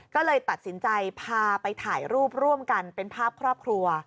ก็เลยตัดสินใจพาไปถ่ายรูปร่วมกันเป็นภาพครอบครัว